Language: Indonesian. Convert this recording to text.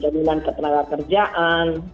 jaminan ketenaga kerjaan